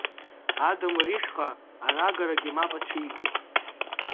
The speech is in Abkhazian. Адамыр ишҟа анагарагьы мап ацәикит.